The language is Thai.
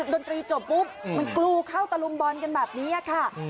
ดนตรีจบปุ๊บมันกรูเข้าตะลุมบอลกันแบบนี้ค่ะ